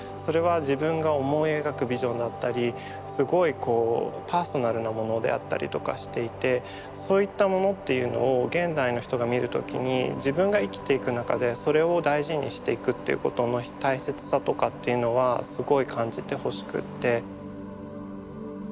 でも甲冑の面白さっていうのはであったりとかしていてそういったものっていうのを現代の人が見る時に自分が生きていく中でそれを大事にしていくっていうことの大切さとかっていうのはすごい感じてほしくって。